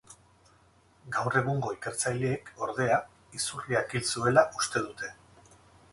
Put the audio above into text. Gaur egungo ikertzaileek, ordea, izurriak hil zuela uste dute.